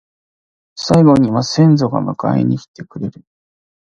最期には先祖が迎えに来てくれる